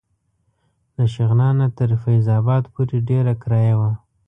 له شغنان نه تر فیض اباد پورې ډېره کرایه وه.